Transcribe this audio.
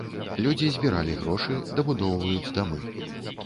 Людзі збіралі грошы, дабудоўваюць дамы.